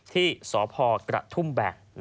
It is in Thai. ที่สพกระทุ่มแบก